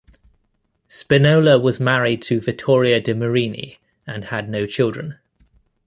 Spinola was married to Vittoria De Marini and had no children.